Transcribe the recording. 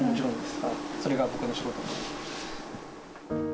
それが僕の仕事です。